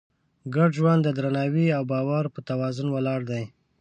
ګډ ژوند د درناوي او باور په توازن ولاړ دی.